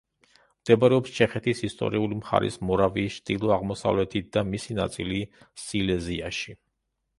მდებარეობს ჩეხეთის ისტორიული მხარის მორავიის ჩრდილო-აღმოსავლეთით და მისი ნაწილი სილეზიაში.